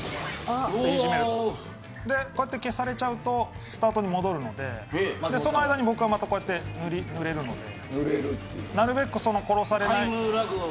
こうやって消されちゃうとスタートに戻るのでその間に僕がまた、こうやって塗れるので。